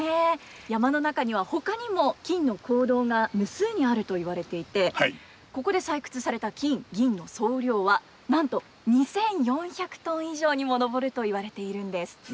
山の中にはほかにも金の坑道が無数にあると言われていてここで採掘された金銀の総量はなんと２，４００トン以上にも上ると言われているんです。